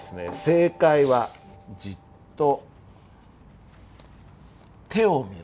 正解は「ぢっと」